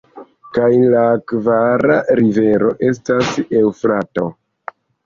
Kaj la kvara rivero estas Eŭfrato.